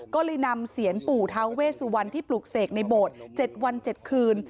ก็เลยนำเสียนปู่ท้าเวสุวรรณที่ปลูกเสกในโบสถ์๗วัน๗คืน